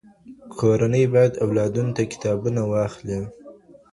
کورنۍ بايد خپلو اولادونو ته کتابونه واخلي.